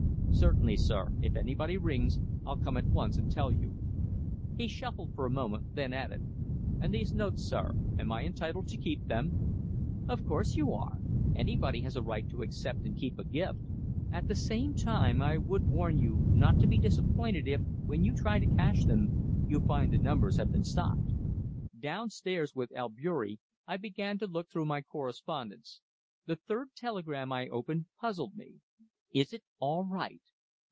"Certainly, sir if anybody rings, I'll come at once and tell you." He shuffled for a moment, then added: "And these notes, sir; am I entitled to keep them?" "Of course you are. Anybody has a right to accept and keep a gift. At the same time, I would warn you not to be disappointed if, when you try to cash them, you find the numbers have been stopped." Downstairs, with Albeury, I began to look through my correspondence. The third telegram I opened puzzled me. "_Is it all right?